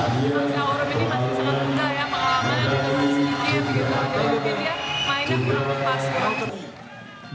jadi dia mainnya kurang lepas ya